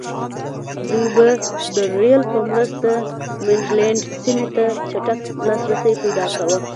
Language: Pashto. دوی به د رېل په مرسته منډلینډ سیمې ته چټک لاسرسی پیدا کاوه.